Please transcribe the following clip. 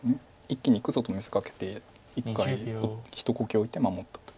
「一気にいくぞ」と見せかけて一回一呼吸置いて守ったと。